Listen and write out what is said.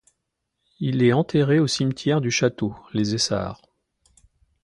Il est enterré au Cimetière du château, Les Essarts.